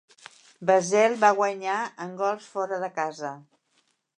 Basel va guanyar en gols fora de casa.